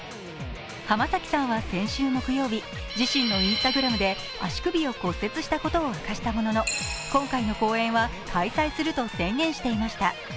浜崎さんは先週木曜日、自身のＩｎｓｔａｇｒａｍで足首を骨折したことを明かしたものの今回の公演は開催すると宣言していました。